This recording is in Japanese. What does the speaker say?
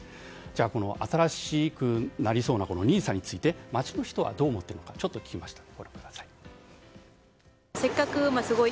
この新しくなりそうなＮＩＳＡについて街の人はどう思っているかちょっと聞きました。